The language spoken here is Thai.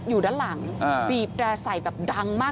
อยู่ด้านหลังบีบแร่ใส่แบบดังมาก